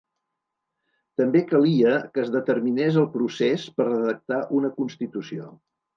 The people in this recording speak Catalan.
També calia que es determinés el procés per redactar una constitució.